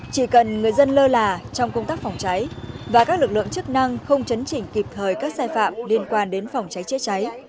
chỉ cần người dân lơ là trong công tác phòng cháy và các lực lượng chức năng không chấn chỉnh kịp thời các sai phạm liên quan đến phòng cháy chữa cháy